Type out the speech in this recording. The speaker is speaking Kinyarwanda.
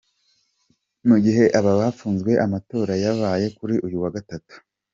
Mu gihe aba bafunzwe, amatora yo yabaye kuri uyu wa Gatatu.